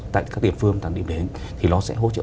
tại các địa phương tầng địa đến thì nó sẽ hỗ trợ